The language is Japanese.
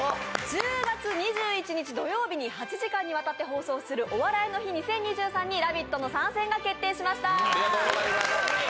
１０月２１日土曜日に８時間にわたって放送する「お笑いの日２０２３」に「ラヴィット！」の参戦が決定しました。